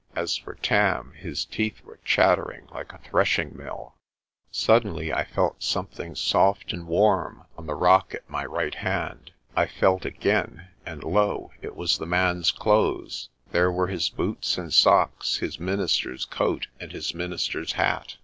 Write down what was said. As for Tarn, his teeth were chattering like a threshing mill. Suddenly I felt something soft and warm on the rock at 20 PRESTER JOHN my right hand. I felt again, and, lo! it was the man's clothes. There were his boots and socks, his minister's coat and his minister's hat.